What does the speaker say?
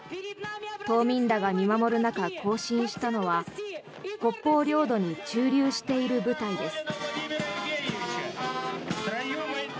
島民らが見守る中、行進したのは北方領土に駐留している部隊です。